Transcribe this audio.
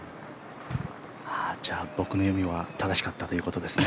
じゃあ僕の読みは正しかったということですね。